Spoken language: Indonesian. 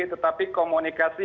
tetapi komunikasi yang